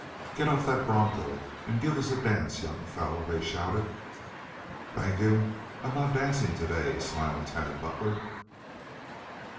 "Get off that broncho and give us a dance, young fellow," they shouted. "Thank you, I'm not dancing to day," smiled Tad Butler.